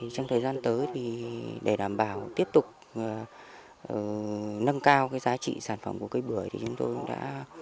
trong thời gian tới thì để đảm bảo tiếp tục nâng cao giá trị sản phẩm của cây bưởi thì chúng tôi cũng đã